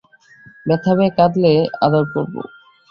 ব্যথা পেয়ে কাঁদলে আদর করব।